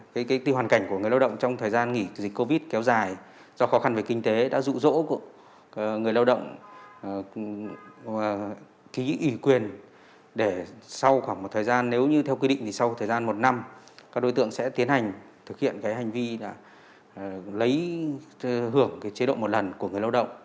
cái tiêu hoàn cảnh của người lao động trong thời gian nghỉ dịch covid kéo dài do khó khăn về kinh tế đã rụ rỗ người lao động ký ủy quyền để sau khoảng một thời gian nếu như theo quy định thì sau thời gian một năm các đối tượng sẽ tiến hành thực hiện cái hành vi lấy hưởng cái chế độ một lần của người lao động